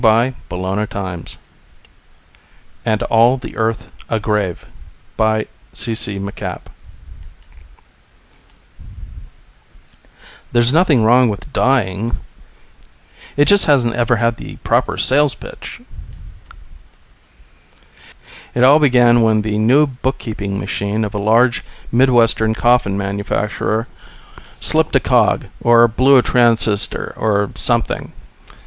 |||++AND ALL THE EARTH A GRAVE BY C.C. MacAPP ILLUSTRATED BY GAUGHAN There's nothing wrong with dying it just hasn't ever had the proper sales pitch! It all began when the new bookkeeping machine of a large Midwestern coffin manufacturer slipped a cog, or blew a transistor, or something.